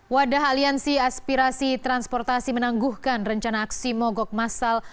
wadah halian siasperasi transportasi menangguhkan rencana aksi mogok massal